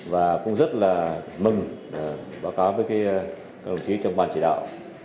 và cũng rất là mừng báo cáo với các đồng chí trong ban chỉ đạo